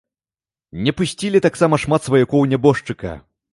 Не пусцілі таксама шмат сваякоў нябожчыка.